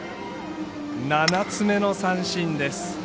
７つ目の三振です。